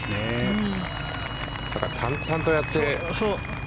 淡々とやってるね。